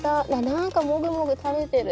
何かもぐもぐ食べてる。